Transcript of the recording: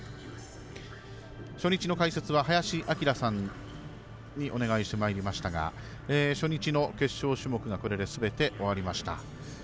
初日の解説は林享さんにお願いしてまいりましたが初日の決勝種目がこれですべて終わりました。